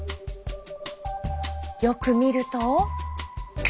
よく見ると。